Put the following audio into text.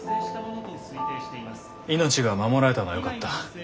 命が守られたのはよかった。